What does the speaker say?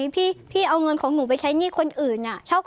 พี่เอาเงินของหนูไปใช้หนี้คนอื่น